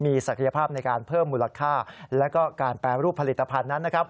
มีศักยภาพในการเพิ่มมูลค่าแล้วก็การแปรรูปผลิตภัณฑ์นั้นนะครับ